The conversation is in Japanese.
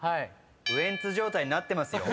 ウエンツ状態になってますよ。